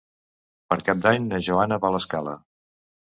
Per Cap d'Any na Joana va a l'Escala.